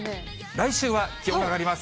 来週は気温が上がります。